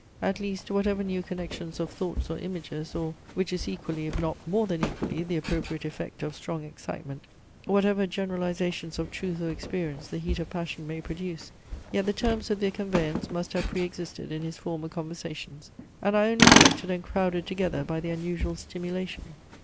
At least, whatever new connections of thoughts or images, or (which is equally, if not more than equally, the appropriate effect of strong excitement) whatever generalizations of truth or experience the heat of passion may produce; yet the terms of their conveyance must have pre existed in his former conversations, and are only collected and crowded together by the unusual stimulation.